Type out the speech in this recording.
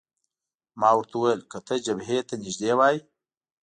ما ورته وویل: که ته جبهې ته نږدې وای.